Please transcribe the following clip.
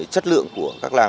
chất lượng của các làng